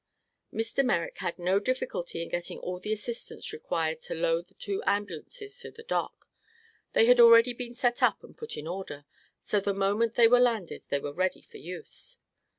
Mr. Merrick had no difficulty in getting all the assistance required to lower the two ambulances to the dock. They had already been set up and put in order, so the moment they were landed they were ready for use.